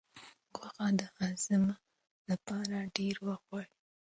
غوښه د هضم لپاره ډېر وخت غواړي.